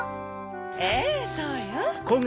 ええそうよ。